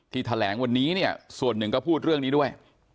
แถลงวันนี้เนี่ยส่วนหนึ่งก็พูดเรื่องนี้ด้วย